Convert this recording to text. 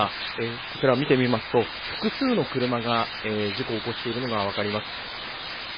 こちら、見てみますと複数の車が事故を起こしているのが分かります。